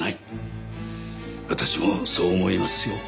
私もそう思いますよ。